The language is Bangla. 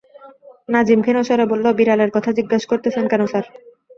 নাজিম ক্ষীণ স্বরে বলল, বিড়ালের কথা জিজ্ঞাস করতেছেন কেন স্যার?